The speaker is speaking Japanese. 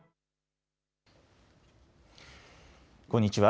こんにちは。